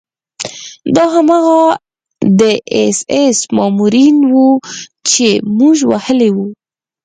دا هماغه د اېس ایس مامورین وو چې موږ وهلي وو